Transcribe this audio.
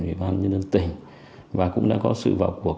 ủy ban nhân dân tỉnh và cũng đã có sự vào cuộc